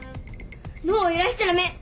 脳を揺らしちゃダメ。